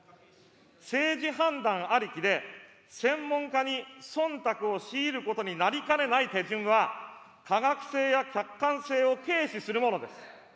政治判断ありきで専門家にそんたくを強いることになりかねない手順は、科学性や客観性を軽視するものです。